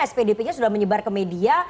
spdp nya sudah menyebar ke media